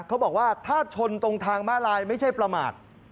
เขาบอกว่าถ้าชนตรงทางมาลายไม่ใช่ประมาท